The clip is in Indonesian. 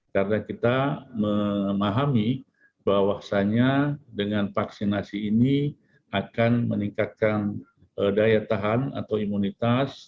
karena kita memahami bahwasannya dengan vaksinasi ini akan meningkatkan daya tahan atau imunitas